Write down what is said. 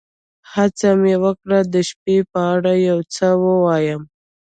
هڅه مې وکړه د شپې په اړه یو څه ووایم.